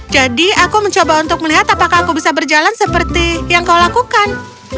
jadi aku mencoba untuk melihat apakah aku bisa berjalan seperti yang kau lakukan